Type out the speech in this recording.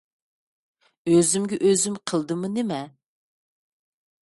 ئۆزۈمگە ئۆزۈم قىلدىممۇ نېمە؟